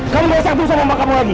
kamu gak usah tunggu sama mama kamu lagi